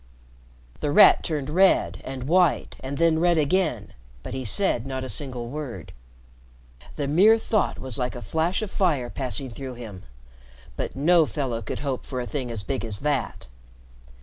The Rat turned red and white and then red again, but he said not a single word. The mere thought was like a flash of fire passing through him. But no fellow could hope for a thing as big as that.